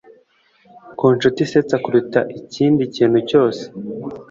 ku nshuti isetsa kuruta ikindi kintu cyose